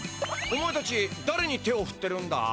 お前たちだれに手をふってるんだ？